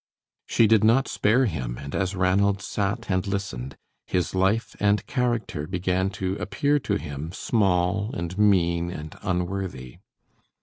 She did not spare him, and as Ranald sat and listened, his life and character began to appear to him small and mean and unworthy.